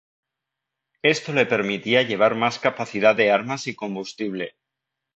Esto le permitía llevar más capacidad de armas y combustible.